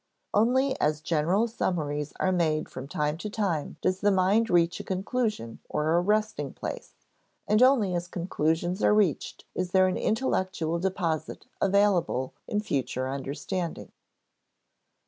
Only as general summaries are made from time to time does the mind reach a conclusion or a resting place; and only as conclusions are reached is there an intellectual deposit available in future understanding.